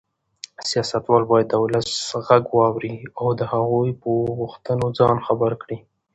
سیاستوال باید د ولس غږ واوري او د هغوی په غوښتنو ځان خبر کړي.